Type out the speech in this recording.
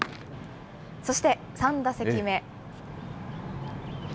そして３打席目。